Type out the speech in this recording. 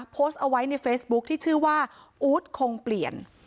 โพสต์เอาไว้ในเฟซบุ๊คที่ชื่อว่าอู๊ดคงเปลี่ยน